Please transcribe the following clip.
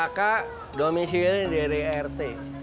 kk domisi dari rt